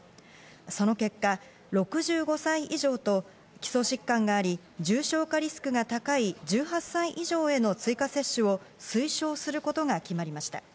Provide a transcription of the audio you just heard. その結果、６５歳以上と基礎疾患があり、重症化リスクが高い１８歳以上への追加接種を推奨することが決まりました。